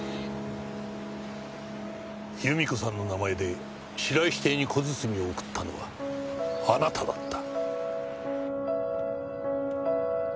由美子さんの名前で白石邸に小包を送ったのはあなただった。